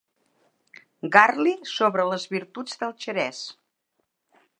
Garli sobre les virtuts del xerès.